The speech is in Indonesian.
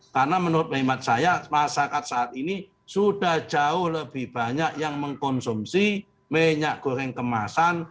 karena menurut mehemat saya masyarakat saat ini sudah jauh lebih banyak yang mengkonsumsi minyak goreng kemasan